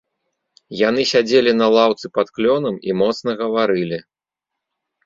Яны сядзелі на лаўцы пад клёнам і моцна гаварылі.